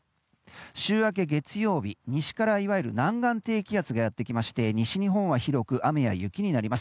週明け月曜日、西からいわゆる南岸低気圧がやってきまして西日本は広く雨や雪になります。